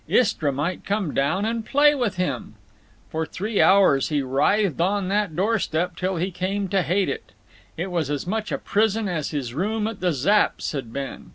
Istra might come down and play with him. For three hours he writhed on that door step, till he came to hate it; it was as much a prison as his room at the Zapps' had been.